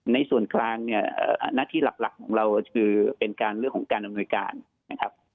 ในส่วนกลางเนี่ยหน้าที่หลักของเราคือเป็นการเรื่องของการดำเนินการนะครับ